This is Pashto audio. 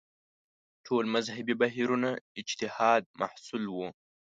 ټول مذهبي بهیرونه اجتهاد محصول وو